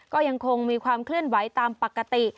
ก็ยังคงมีความเคลื่อนไหวตามปกติ